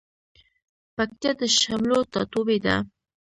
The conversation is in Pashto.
پکتيا د شملو ټاټوبی ده